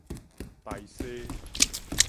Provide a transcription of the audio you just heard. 臺西